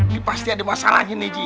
ini pasti ada masalahnya nih ji